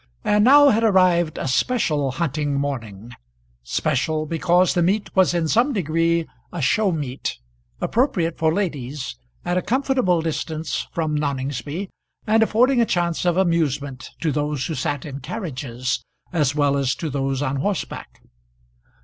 And now had arrived a special hunting morning, special, because the meet was in some degree a show meet, appropriate for ladies, at a comfortable distance from Noningsby, and affording a chance of amusement to those who sat in carriages as well as to those on horseback.